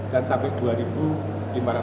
dan sampai dua ribu lima ratus liter